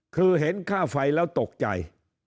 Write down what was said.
คือเห็นค่าไฟแล้วตกใจ